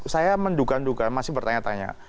saya menduga duga masih bertanya tanya